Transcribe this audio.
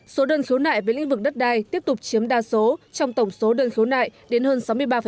số đơn khiếu nại về lĩnh vực đất đai tiếp tục chiếm đa số trong tổng số đơn khiếu nại đến hơn sáu mươi ba